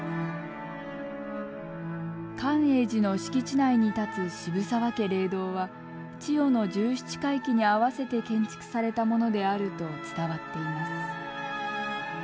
寛永寺の敷地内に建つ渋沢家霊堂は千代の１７回忌に合わせて建築されたものであると伝わっています。